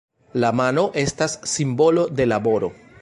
La mano estas simbolo de laboro.